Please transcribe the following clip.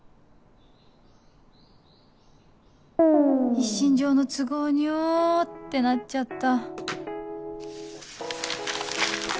「一身上の都合によ」ってなっちゃった